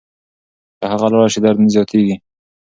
که هغه لاړه شي درد زیاتېږي.